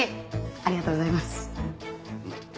ありがとうございます。